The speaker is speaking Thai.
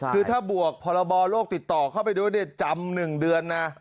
คือถ้าบวกพรบโลกติดต่อเข้าไปด้วยจำ๑เดือนนะ